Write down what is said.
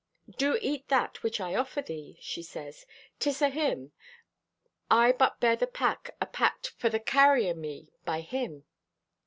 "Do eat that which I offer thee," she says. "'Tis o' Him. I but bear the pack apacked for the carry o' me by Him."